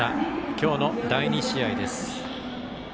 今日の第２試合です。